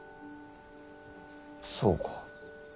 そうか。